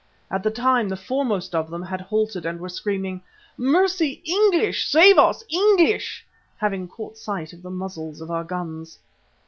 At the time the foremost of them had halted and were screaming, "Mercy, English! Save us, English!" having caught sight of the muzzles of our guns.